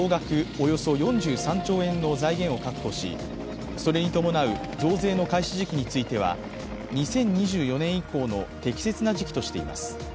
およそ４３兆円の財源を確保しそれに伴う増税の開始時期については２０２４年以降の適切な時期としています。